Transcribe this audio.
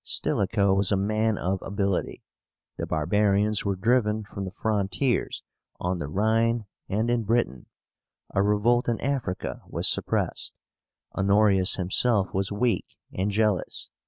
Stilicho was a man of ability. The barbarians were driven from the frontiers on the Rhine and in Britain; a revolt in Africa was suppressed. Honorius himself was weak and jealous.